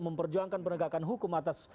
memperjuangkan penegakan hukum atas